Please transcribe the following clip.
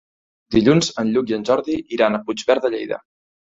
Dilluns en Lluc i en Jordi iran a Puigverd de Lleida.